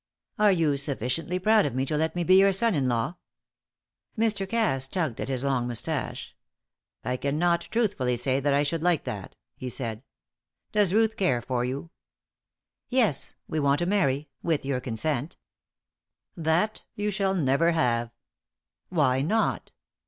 "Are you sufficiently proud of me to let me be your son in law?" Mr. Cass tugged at his long moustache. "I cannot truthfully say that I should like that," he said. "Does Ruth care for you?" "Yes; we want to marry with your consent." "That you shall never have." "Why not?"